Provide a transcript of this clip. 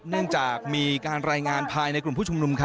เนื่องจากมีการรายงานภายในกลุ่มผู้ชุมนุม